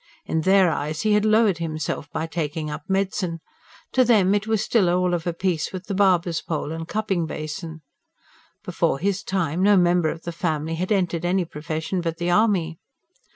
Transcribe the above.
In their eyes he had lowered himself by taking up medicine; to them it was still of a piece with barber's pole and cupping basin. Before his time no member of the family had entered any profession but the army.